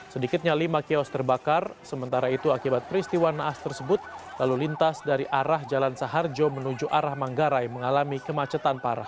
sedikitnya lima kios terbakar sementara itu akibat peristiwa naas tersebut lalu lintas dari arah jalan saharjo menuju arah manggarai mengalami kemacetan parah